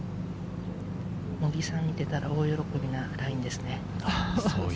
茂木さんが見てたら大喜びなラインですね。